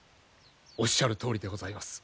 おっしゃるとおりでございます。